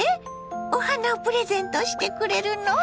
お花をプレゼントしてくれるの？